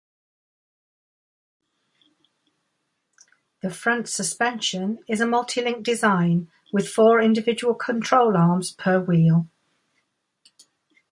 The front suspension is a multi-link design with four individual control arms per wheel.